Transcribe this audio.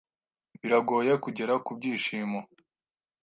Biragoye kugera ku byishimo.